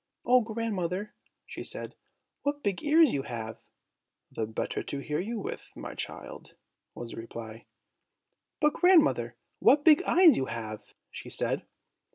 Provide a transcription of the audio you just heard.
"Oh! grandmother," she said, "what big ears you have!" "The better to hear you with, my child," was the reply. "But, grandmother, what big eyes you have!" she said.